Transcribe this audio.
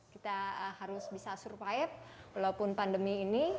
kita harus bisa survive walaupun pandemi ini